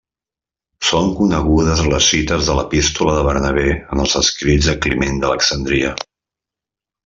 Són conegudes les cites de l'Epístola de Bernabé en els escrits de Climent d'Alexandria.